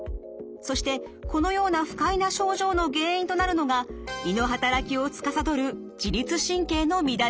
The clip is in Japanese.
そしてこのような不快な症状の原因となるのが胃の働きをつかさどる自律神経の乱れです。